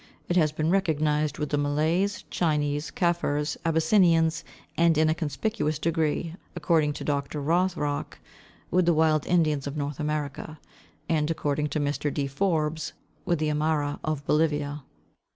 It has been recognized with the Malays, Chinese, Kafirs, Abyssinians, and in a conspicuous degree, according to Dr. Rothrock, with the wild Indians of North America, and according to Mr. D. Forbes, with the Aymaras of Bolivia.